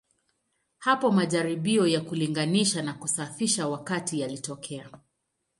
Hapo majaribio ya kulinganisha na kusafisha wakati yalitokea.